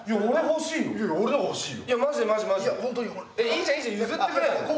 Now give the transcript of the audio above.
いいじゃんいいじゃん譲ってくれよ。